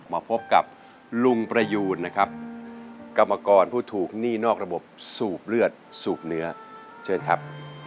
มาพบกับลุงประยูนนะครับกรรมกรผู้ถูกหนี้นอกระบบสูบเลือดสูบเนื้อเชิญครับ